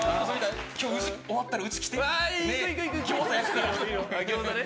今日終わったら、うちに来て。行く、行く！